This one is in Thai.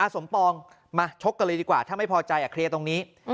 สมปองมาชกกันเลยดีกว่าถ้าไม่พอใจเคลียร์ตรงนี้